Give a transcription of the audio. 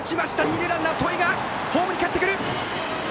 二塁ランナー、戸井ホームにかえってくる！